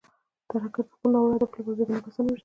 ترهګر د خپلو ناوړو اهدافو لپاره بې ګناه کسان وژني.